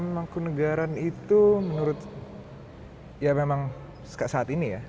mangkunegaran itu menurut ya memang saat ini ya